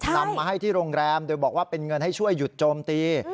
นำมาให้ที่โรงแรมโดยบอกว่าเป็นเงินให้ช่วยหยุดโจมตี